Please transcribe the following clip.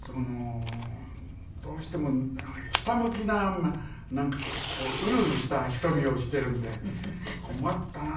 どうしてもひたむきななんかこうウルウルした瞳をしてるんで困ったなと思って。